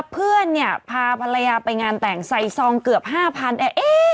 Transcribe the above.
เพื่อนเนี่ยพาภรรยาไปงานแต่งใส่ซองเกือบ๕๐๐